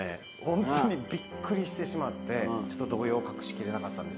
本当にビックリしてしまってちょっと動揺を隠しきれなかったんですが。